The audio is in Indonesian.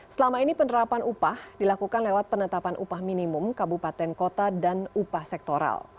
selama ini penerapan upah dilakukan lewat penetapan upah minimum kabupaten kota dan upah sektoral